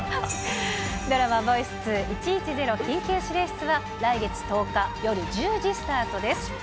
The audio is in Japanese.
ドラマ、ボイス２１１０緊急指令室は、来月１０日、夜１０時スタートです。